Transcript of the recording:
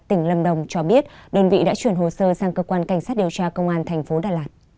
tỉnh lâm đồng cho biết đơn vị đã chuyển hồ sơ sang cơ quan cảnh sát điều tra công an thành phố đà lạt